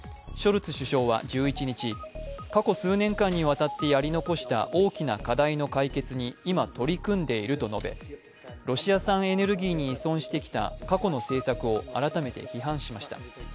ショルツ首相は１１日、過去数年間にわたってやり残した大きな課題の解決に今取り組んでいると述べロシア産エネルギーに依存してきた過去の政策を改めて批判しました。